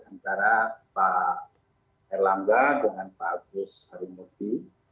antara pak herlangga dengan pak agus armudji